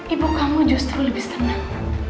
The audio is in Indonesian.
ibu kamu justru lebih senang